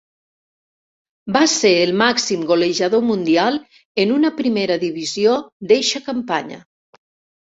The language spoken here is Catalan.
Va ser el màxim golejador mundial en una primera divisió d'eixa campanya.